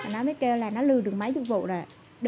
nó mới kêu là nó lừa được mấy chục vụ rồi